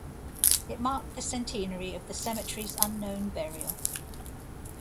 It marked the centenary of the cemetery's unknown burial.